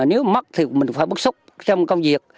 nếu mất thì mình phải bức xúc trong công việc